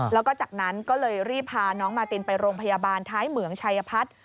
แล้วก็จากนั้นก็เลยรีบพาน้องมาตินไปโรงพยาบาลท้ายเหมืองชัยพัฒน์